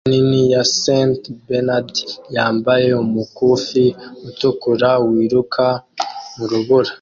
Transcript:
Imbwa nini ya St Bernard yambaye umukufi utukura wiruka mu rubura